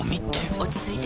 落ち着いて。